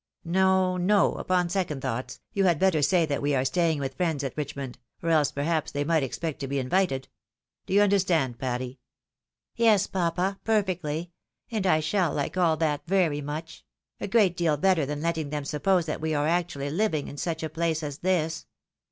— No, no, upon second thoughts, you had better say that we are staying with friends at Richmond, or else perhaps they might expect to be invited. Do you understand, Patty? "" Yes, papa, perfectly ; and I shall like all that very much ; a great deal better tlmii letting them suppose that wfe are A SUCCESSFUL PLOT. 217 actually living in such a place as this.